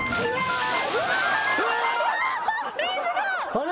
あれ？